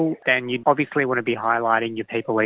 maka anda akan ingin menggambarkan pengalaman pengurusan orang